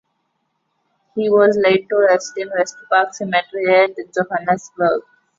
He was laid to rest in West Park Cemetery at Johannesburg